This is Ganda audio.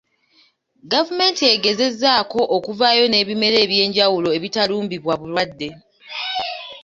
Gavumenti egezaako okuvaayo n'ebimera eby'enjawulo ebitalumbibwa bulwadde.